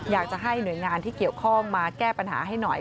อยากจะให้หน่วยงานที่เกี่ยวข้องมาแก้ปัญหาให้หน่อย